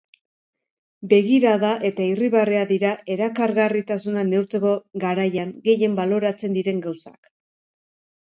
Begirada eta irribarrea dira erakargarritasuna neurtzeko garaian gehien baloratzen diren gauzak.